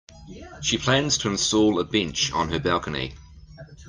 She plans to install a bench on her balcony.